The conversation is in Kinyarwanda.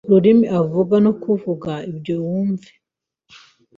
Ururimi avuga no kuvuga ibyo yumvise